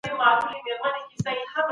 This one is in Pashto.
ایا کورني سوداګر جلغوزي پروسس کوي؟